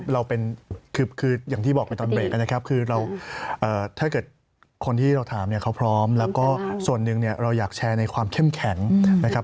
เราเป็นคืออย่างที่บอกไปตอนเบรกนะครับคือเราถ้าเกิดคนที่เราถามเนี่ยเขาพร้อมแล้วก็ส่วนหนึ่งเนี่ยเราอยากแชร์ในความเข้มแข็งนะครับ